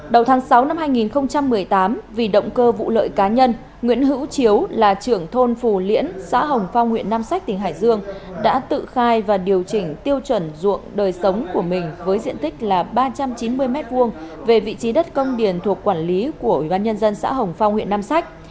đầu tháng sáu năm hai nghìn một mươi tám vì động cơ vụ lợi cá nhân nguyễn hữu chiếu là trưởng thôn phù liễn xã hồng phong huyện nam sách tỉnh hải dương đã tự khai và điều chỉnh tiêu chuẩn ruộng đời sống của mình với diện tích là ba trăm chín mươi m hai về vị trí đất công điền thuộc quản lý của ubnd xã hồng phong huyện nam sách